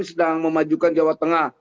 oh kami sedang memajukan jawa tengah